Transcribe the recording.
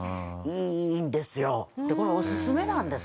これおすすめなんです。